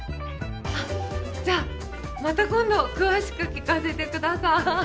あじゃあまた今度詳しく聞かせてください。